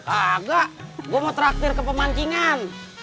ah ga gue mau traktir ke pemancingan